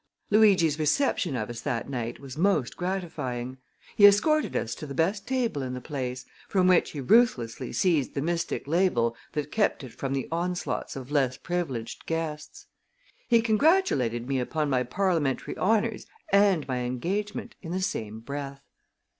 Luigi's reception of us that night was most gratifying. He escorted us to the best table in the place, from which he ruthlessly seized the mystic label that kept it from the onslaughts of less privileged guests. He congratulated me upon my parliamentary honors and my engagement in the same breath.